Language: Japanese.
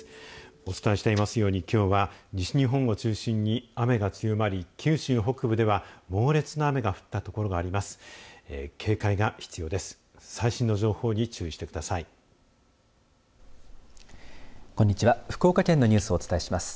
お伝えしていますようにきょうは西日本を中心に雨が強まり、九州北部では猛烈な雨が降った所があります。